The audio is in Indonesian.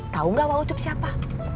tau gak waucup siapa